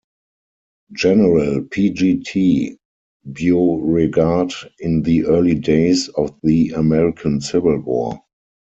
General P. G. T. Beauregard in the early days of the American Civil War.